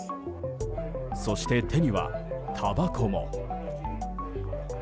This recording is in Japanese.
そして手には、たばこも。